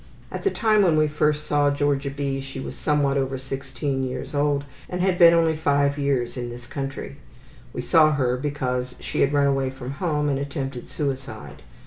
At the time when we first saw Georgia B. she was somewhat over 16 years old and had been only 5 years in this country. We saw her because she had run away from home and attempted suicide.